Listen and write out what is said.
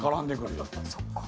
そっか。